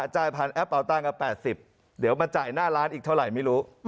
จ่ายผ่านแอปเป่าตังค์๘๐เดี๋ยวมาจ่ายหน้าร้านอีกเท่าไหร่ไม่รู้